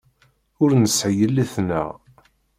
Ur nesεi yelli-tneɣ.